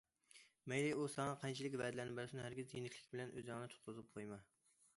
مەيلى ئۇ ساڭا قانچىلىك ۋەدىلەرنى بەرسۇن، ھەرگىز يېنىكلىك بىلەن ئۆزۈڭنى تۇتقۇزۇپ قويما.